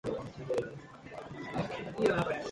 The program has moved to the Lyric theater.